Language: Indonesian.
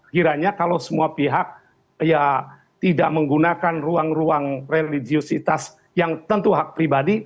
kiranya kalau semua pihak ya tidak menggunakan ruang ruang religiositas yang tentu hak pribadi